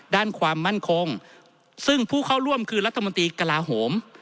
ด้านความมั่นคงซึ่งผู้เข้าร่วมคือรัฐมนตรีกลาโหม